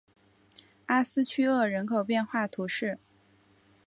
阿斯屈厄人口变化图示